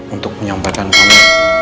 untuk menyampaikan kamu